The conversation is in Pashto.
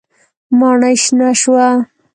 ماڼۍ شنه شوه.